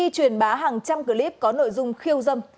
trong clip có nội dung khiêu dâm